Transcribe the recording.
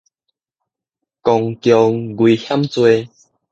公共危險罪